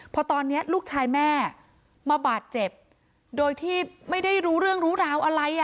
พอตอนนี้ลูกชายแม่มาบาดเจ็บโดยที่ไม่ได้รู้เรื่องรู้ราวอะไร